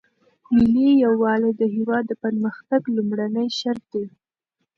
ملي یووالی د هیواد د پرمختګ لومړنی شرط دی.